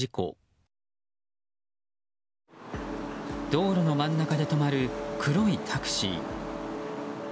道路の真ん中で止まる黒いタクシー。